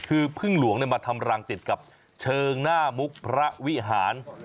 คือพึ่งหลวงมาทำรังติดกับเชิงหน้ามุกพระวิหาร